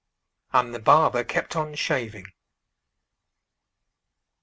And the barber kept on shaving.